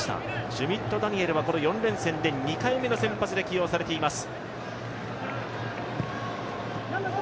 シュミット・ダニエルは４連戦で２回目の選抜で起用されています。